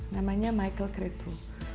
namanya michael kretu